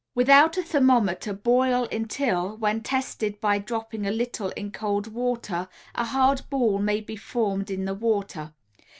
Without a thermometer boil until when tested by dropping a little in cold water a hard ball may be formed in the water.